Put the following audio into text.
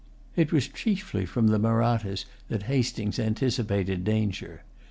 It was chiefly from the Mahrattas that Hastings anticipated danger.